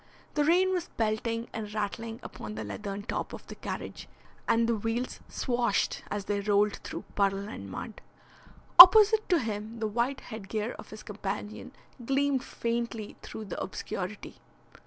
The rain was pelting and rattling upon the leathern top of the carriage and the wheels swashed as they rolled through puddle and mud. Opposite to him the white headgear of his companion gleamed faintly through the obscurity.